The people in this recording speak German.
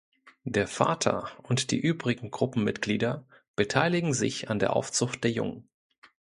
Der Vater und die übrigen Gruppenmitglieder beteiligen sich an der Aufzucht der Jungen.